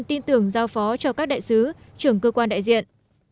tin tưởng giao phó cho các đại sứ trưởng cơ quan đại diện